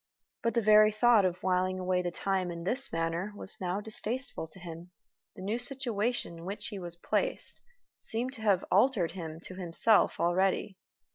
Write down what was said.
But the very thought of whiling away the time in this manner was now distasteful to him. The new situation in which he was placed seemed to have altered him to himself already.